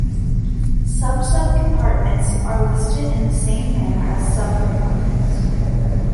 Sub-sub-compartments are listed in the same manner as sub-compartments.